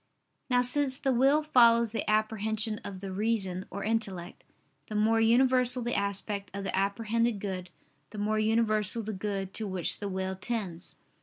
Now since the will follows the apprehension of the reason or intellect; the more universal the aspect of the apprehended good, the more universal the good to which the will tends.